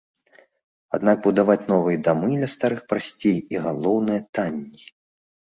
Аднак будаваць новыя дамы ля старых прасцей і, галоўнае, танней.